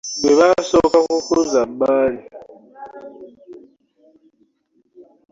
Ggwe basooka kukuzza bbali.